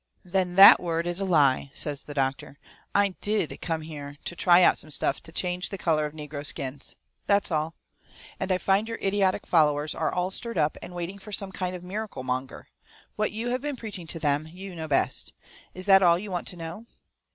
"Then that word is a lie," says the doctor. "I DID come here to try out some stuff to change the colour of negro skins. That's all. And I find your idiotic followers are all stirred up and waiting for some kind of a miracle monger. What you have been preaching to them, you know best. Is that all you want to know?"